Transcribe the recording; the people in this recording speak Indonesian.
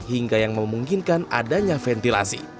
hingga yang memungkinkan adanya ventilasi